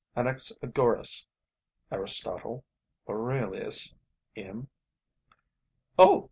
Anaxagoras, Aristotle, Aurelius, M.?" "Oh!